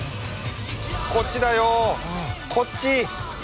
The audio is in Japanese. こっちだよこっち！